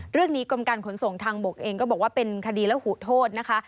กรมการขนส่งทางบกเองก็บอกว่าเป็นคดีและหูโทษนะคะ